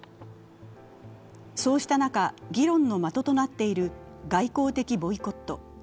そうした中、議論の的となっている外交的ボイコット。